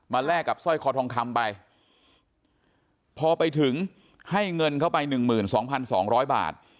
มาแลกกับสร้อยคอทองคำไปพอไปถึงให้เงินเข้าไปหนึ่งหมื่นสองพันสองร้อยบาท